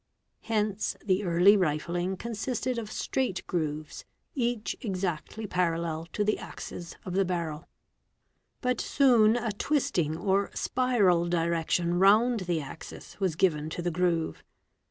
Hence the early rifling consisted of straight grooves, each exactly _. 54. 426 WEAPONS parallel to the axis of the barrel. But soon a twisting or spiral direction round the axis was given to the groove.